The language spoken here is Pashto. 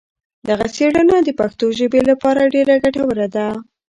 دغه څېړنه د پښتو ژبې لپاره ډېره ګټوره ده.